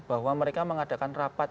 bahwa mereka mengadakan rapat